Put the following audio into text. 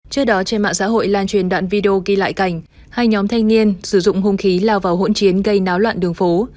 trước đó trên mạng xã hội lan truyền đoạn video ghi lại cảnh hai nhóm thanh niên sử dụng hung khí lao vào hỗn chiến gây náo loạn đường phố